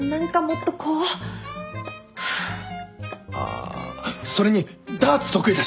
あそれにダーツ得意だし！